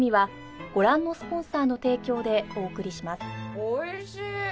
おいしい！